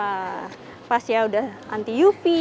wah pas ya udah anti uv